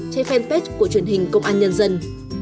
trên fanpage của truyền hình công an nhân dân